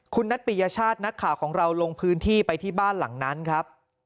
คุณนัทปิยชาตินักข่าวของเราลงพื้นที่ไปที่บ้านหลังนั้นครับ